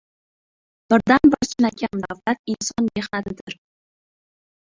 Birdan-bir chinakam davlat inson mehnatidir.